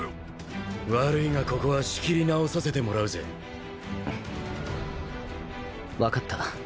悪いがここは仕切り直させてもらうぜ。分かった。